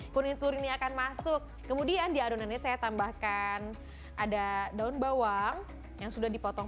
kuning telur ini akan masuk kemudian di adonannya saya tambahkan ada daun bawang yang sudah dipotong